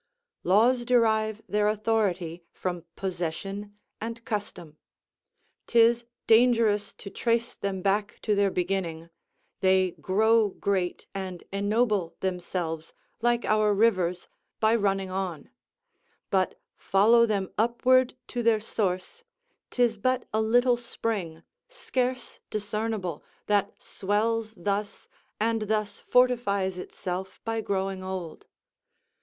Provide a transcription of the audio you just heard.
Laws derive their authority from possession and custom. 'Tis dangerous to trace them back to their beginning; they grow great, and ennoble themselves, like our rivers, by running on; but follow them upward to their source, 'tis but a little spring, scarce discernable, that swells thus, and thus fortifies itself by growing old.